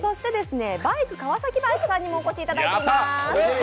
バイク川崎バイクさんにもお越しいただいています。